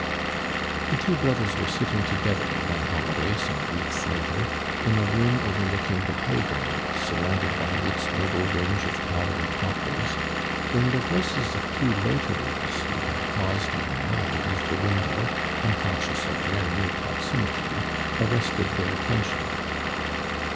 The two brothers were sitting together, one holiday, some weeks later, in a room overlooking the play ground, surrounded by its noble range of towering poplars, when the voices of two loiterers who had pauseil awhile underneath the window, unconscious of their neai proximity, arrested their attention.